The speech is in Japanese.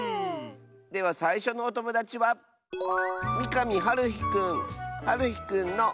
ではさいしょのおともだちははるひくんの。